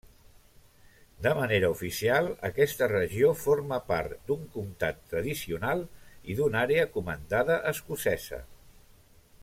De manera oficial, aquesta regió forma part d'un comtat tradicional i d'una àrea comandada escocesa.